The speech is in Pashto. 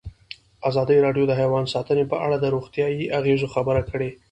ازادي راډیو د حیوان ساتنه په اړه د روغتیایي اغېزو خبره کړې.